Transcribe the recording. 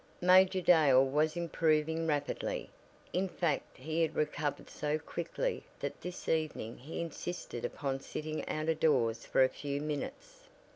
Major Dale was improving rapidly, in fact he had recovered so quickly that this evening he insisted upon sitting out of doors for a few minutes.